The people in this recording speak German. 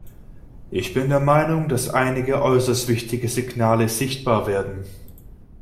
Ich bin der Meinung, dass einige äußerst wichtige Signale sichtbar werden.